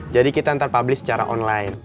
jadi kita ntar publish secara online